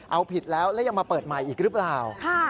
เอาผิดแล้วแล้วยังมาเปิดใหม่อีกหรือเปล่า